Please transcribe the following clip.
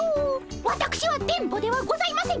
わたくしは電ボではございません。